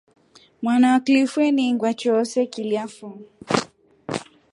Mwana wa kilifu einingwa choose kilya fo.